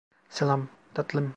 Selam, tatlım.